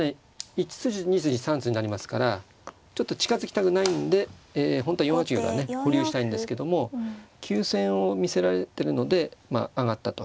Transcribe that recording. １筋２筋３筋になりますからちょっと近づきたくないんで本当は４八玉はね保留したいんですけども急戦を見せられてるので上がったと。